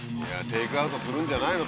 テイクアウトするんじゃないの？